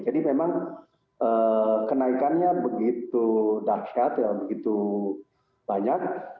jadi memang kenaikannya begitu dahsyat begitu banyak